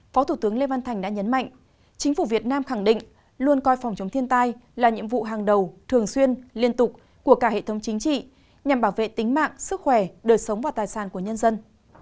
phó thủ tướng lê văn thành đã nhấn mạnh chính phủ việt nam khẳng định luôn coi phòng chống thiên tai là nhiệm vụ hàng đầu thường xuyên liên tục của cả hệ thống chính trị nhằm bảo vệ tính mạng sức khỏe đời sống và tài sản của nhân dân